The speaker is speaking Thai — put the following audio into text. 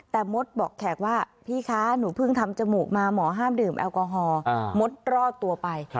แต่มดบอกแขกว่าพี่คะหนูเพิ่งทำจมูกมาหมอห้ามดื่มแอลกอฮอลมดรอดตัวไป